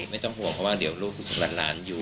ไม่ต้องห่วงเพราะว่าเดี๋ยวลูกหลานอยู่